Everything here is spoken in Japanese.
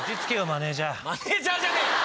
マネジャーじゃねえよ！